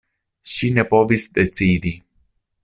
Ŝi ne povis decidi.